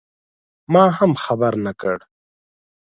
ما هم خبر نه کړ.